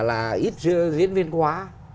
là ít diễn viên quá